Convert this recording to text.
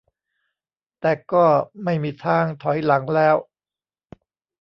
แต่ก็ไม่มีทางถอยหลังแล้ว